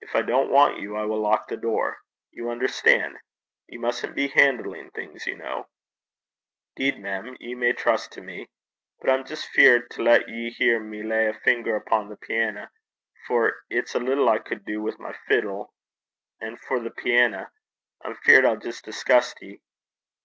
If I don't want you, I will lock the door. You understand? You mustn't be handling things, you know.' ''Deed, mem, ye may lippen (trust) to me. But I'm jist feared to lat ye hear me lay a finger upo' the piana, for it's little I cud do wi' my fiddle, an', for the piana! I'm feart I'll jist scunner (disgust) ye.'